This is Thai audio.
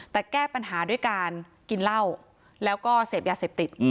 แต่แก้ปัญหาด้วยการกินเหล้าแล้วก็เสพยาเสพติด